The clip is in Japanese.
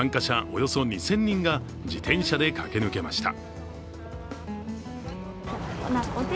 およそ２０００人が自転車で駆け抜けました。